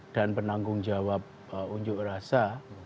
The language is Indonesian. dan penanggung jawab pak unjuk rasa